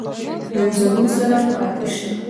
نن زموږ سره پاتې شه